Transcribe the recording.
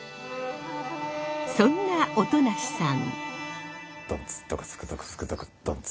そんな音無さん。